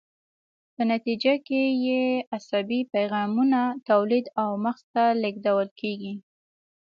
په نتیجه کې یې عصبي پیغامونه تولید او مغز ته لیږدول کیږي.